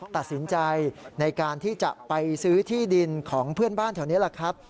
ตัดสินใจในการที่จะไปซื้อที่ดินของเพื่อนบ้านแถวนี้แหละครับ